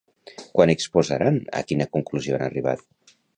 Quan exposaran a quina conclusió han arribat?